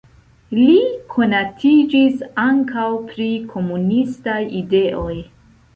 Li konatiĝis ankaŭ pri komunistaj ideoj.